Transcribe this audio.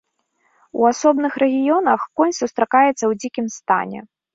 У асобных рэгіёнах конь сустракаецца ў дзікім стане.